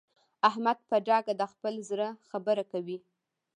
احمد په ډاګه د خپل زړه خبره کوي.